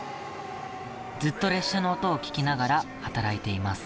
ずっと列車の音を聞きながら働いています。